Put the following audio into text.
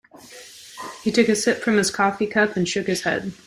He took a sip from his coffee cup and shook his head.